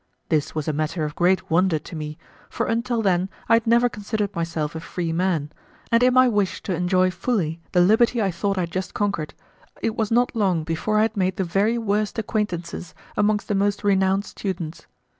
This was a matter of great wonder to me, for until then I had never considered myself a free man; and in my wish to enjoy fully the liberty I thought I had just conquered, it was not long before I had made the very worst acquaintances amongst the most renowned students.